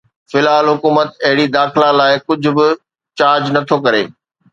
في الحال، حڪومت اهڙين داخلا لاء ڪجھ به چارج نٿو ڪري